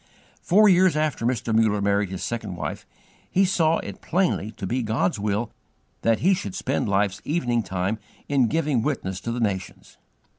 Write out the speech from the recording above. Four years after Mr. Muller married his second wife, he saw it plainly to be God's will that he should spend life's evening time in giving witness to the nations.